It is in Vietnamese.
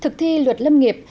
thực thi luật lâm nghiệp